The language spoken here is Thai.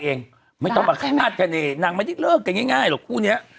เองไม่ต้องมาคาดคณีนางไม่ได้เลิกกันง่ายหรอกคู่เนี้ย